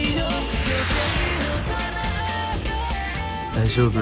大丈夫？